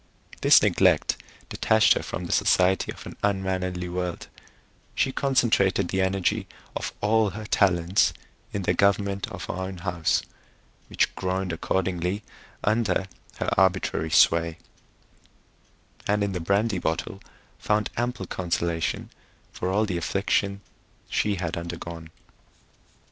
This neglect detached her from the society of an unmannerly world; she concentrated the energy of all her talents in the government of her own house, which groaned accordingly under her arbitrary sway; and in the brandy bottle found ample consolation for all the affliction she had undergone.